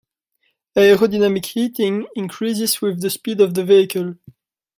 Aerodynamic heating increases with the speed of the vehicle.